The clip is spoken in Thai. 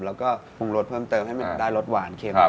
แล้วก็ปรุงรสเพิ่มเติมให้มันได้รสหวานเค็ม